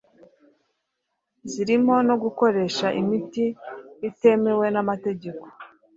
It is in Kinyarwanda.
zirimo no "gukoresha imiti itemewe n'amategeko".